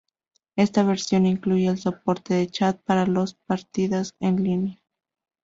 Esta versión incluye el soporte de chat para las partidas en línea.